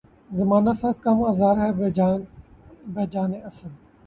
زمانہ سخت کم آزار ہے بجانِ اسد